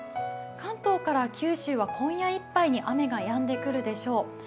関東から九州は今夜いっぱいに雨がやんでくるでしょう。